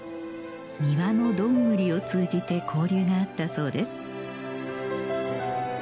庭のドングリを通じて交流があったそうです